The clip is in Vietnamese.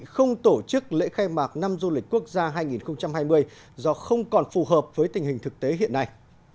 không tổ chức lễ khai mạc năm du lịch quốc gia hai nghìn hai mươi do không còn phù hợp với tình hình thực tế hiện nay